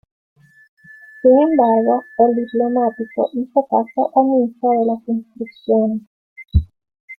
Sin embargo, el diplomático hizo caso omiso de las instrucciones.